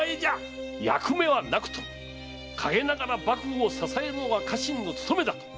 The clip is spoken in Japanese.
役目はなくとも影ながら幕府を支えるのが家臣の勤めだ！